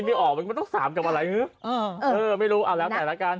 ไม่รู้เอาแล้วแต่ละกัน